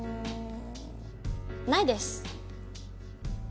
ないです。